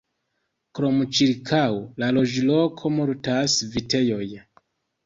Krome, ĉirkaŭ la loĝloko multas vitejoj.